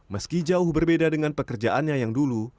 meski jauh berbeda dengan pekerjaannya yang dulu